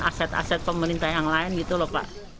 aset aset pemerintah yang lain gitu loh pak